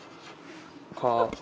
「か」